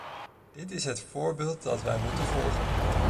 Dit is het voorbeeld dat wij moeten volgen.